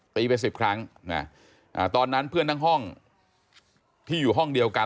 ไปสิบครั้งตอนนั้นเพื่อนทั้งห้องที่อยู่ห้องเดียวกัน